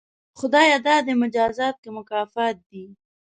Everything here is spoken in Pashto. خدایه دا دې مجازات که مکافات دي؟